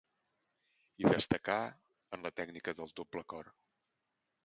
I destacà en la tècnica del doble cor.